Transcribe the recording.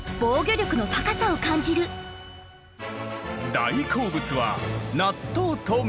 大好物は納豆と水戸城。